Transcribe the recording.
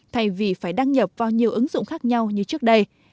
thay vì phải đăng nhập vào nhiều ứng dụng khác nhau như trước đây